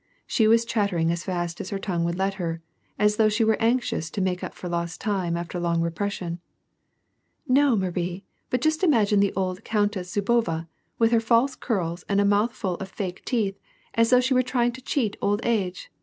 She was chattering as fast as her tongue would let her, as though she were anxious to make up for lost time, after long repression :—" No, Marie, but just imagine the old Countess Zubova, with her false curls and a mouth full of false teeth, as though she were trying to cheat old age